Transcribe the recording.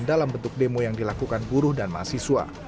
dalam bentuk demo yang dilakukan buruh dan mahasiswa